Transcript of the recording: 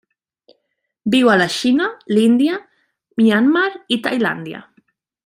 Viu a la Xina, l'Índia, Myanmar i Tailàndia.